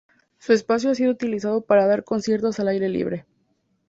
Su espacio ha sido utilizado para dar conciertos al aire libre.